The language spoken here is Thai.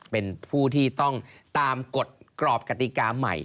เป็นผู้ที่ต้องตามกฎกรอบกติกาใหม่